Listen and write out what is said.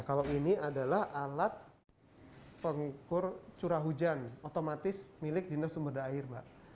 kalau ini adalah alat pengukur curah hujan otomatis milik dinas sumberda air mbak